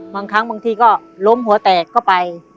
บางครั้งบางทีก็ล้มหัวแตกก็ไป